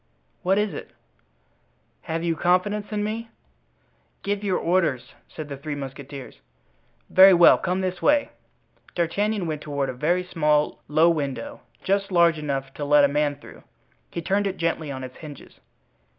"What is it?" "Have you confidence in me?" "Give your orders," said the three musketeers. "Very well; come this way." D'Artagnan went toward a very small, low window, just large enough to let a man through. He turned it gently on its hinges.